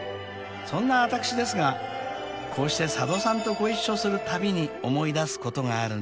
［そんな私ですがこうして佐渡さんとご一緒するたびに思い出すことがあるんです］